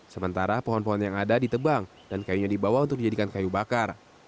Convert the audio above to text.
sementara pohon pohon yang ada ditebang dan kayunya dibawa untuk dijadikan kayu bakar